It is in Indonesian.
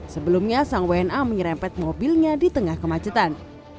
sebelumnya sang wna menyerempet mobilnya di tengah kemacetan